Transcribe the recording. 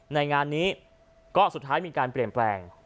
ในงานนี้ก็สุดท้ายมีการเปลี่ยนแปลง